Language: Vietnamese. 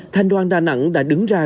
thanh đoàn đà nẵng đã đứng ra